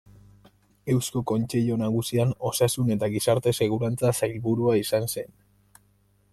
Eusko Kontseilu Nagusian Osasun eta Gizarte Segurantza Sailburua izan zen.